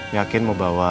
yakin mau bawa